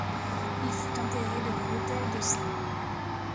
Il fut enterré devant l'autel de St.